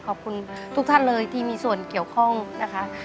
ขอบคุณทุกท่านเลยที่มีส่วนเกี่ยวข้องนะคะ